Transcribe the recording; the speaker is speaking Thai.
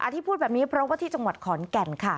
ที่พูดแบบนี้เพราะว่าที่จังหวัดขอนแก่นค่ะ